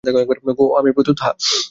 ওহ, আমি প্রস্তুত, - হ্যাঁ।